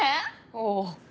おう。